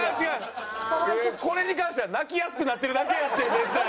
これに関しては泣きやすくなってるだけやって絶対。